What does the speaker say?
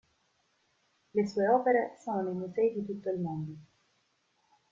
Le sue opere sono nei musei di tutto il mondo.